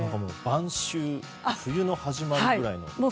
晩秋冬の始まりくらいの。